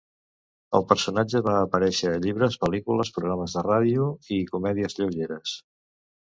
El personatge va aparèixer a llibres, pel·lícules, programes de ràdio i comèdies lleugeres.